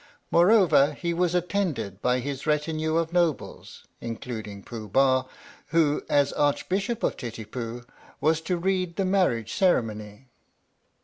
Moreover he was attended by his retinue of nobles, including Pooh Bah, who as Arch bishop of Titipu was to read the marriage ceremony.